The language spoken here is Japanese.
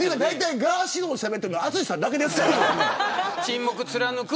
今、ガーシーのことしゃべってるの淳さんだけですから。